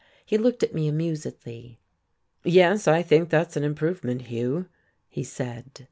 He looked at me amusedly. "Yes, I think that's an improvement, Hugh," he said.